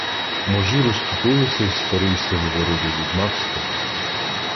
Можі розступилися, й старий сивобородий відьмак сказав: